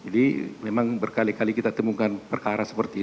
jadi memang berkali kali kita temukan perkara seperti itu